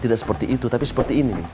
tidak seperti itu tapi seperti ini